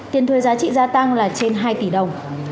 tiền thuê giá trị gia tăng là trên hai tỷ đồng